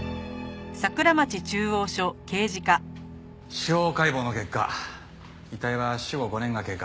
司法解剖の結果遺体は死後５年が経過。